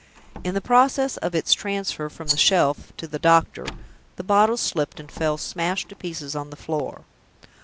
In the process of its transfer from the shelf to the doctor, the bottle slipped and fell smashed to pieces on the floor.